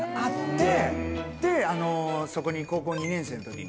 そこに高校２年生の時に。